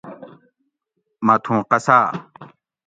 مہۤ تُھوں قصاۤ